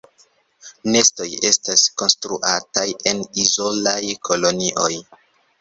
Nestoj estas konstruataj en izolaj kolonioj.